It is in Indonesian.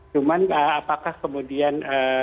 cuman apakah kemudian